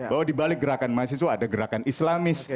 bahwa di balik gerakan mahasiswa ada gerakan islamis